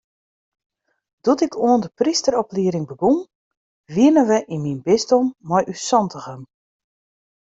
Doe't ik oan de prysteroplieding begûn, wiene we yn myn bisdom mei ús santigen.